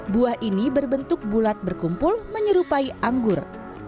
buah ini berbentuk bulat berkumpul menyerupai anggur